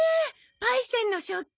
パイセンの食器。